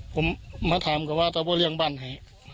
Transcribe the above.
ผมมาถามกับว่าเธอบอกเลี้ยงบ้านให้